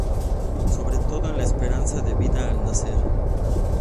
Sobre todo en la esperanza de vida al nacer.